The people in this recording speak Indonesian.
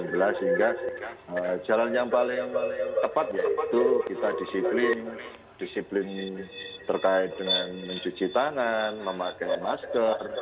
sehingga jalan yang paling tepat yaitu kita disiplin disiplin terkait dengan mencuci tangan memakai masker